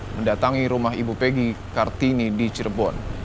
mendatangi rumah ibu pegi kartini di cirebon